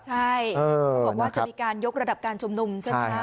ใช่บอกว่าจะมีการยกระดับการชุมนุมใช่ไหมคะ